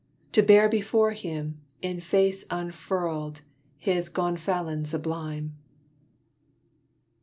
To bear before Him, in its face unfurled, His gonfalon sublime!